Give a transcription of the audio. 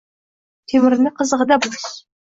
Temirni qizig'ida bos.